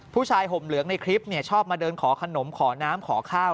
ห่มเหลืองในคลิปชอบมาเดินขอขนมขอน้ำขอข้าว